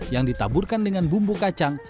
yang ditaburkan dengan bumbu kacang